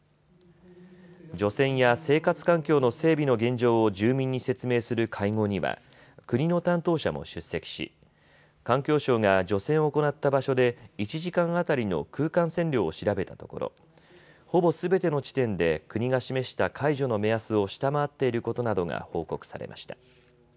除染や生活環境の整備の現状を住民に説明する会合には国の担当者も出席し、環境省が除染を行った場所で１時間当たりの空間線量を調べたところほぼすべての地点で国が示した解除の目安を下回っていることなどが報告されました。